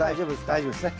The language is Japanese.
大丈夫ですね。